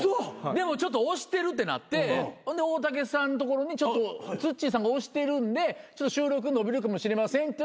でもちょっと押してるってなって大竹さんの所にちょっとツッチーさんが押してるんで収録延びるかもしれませんって。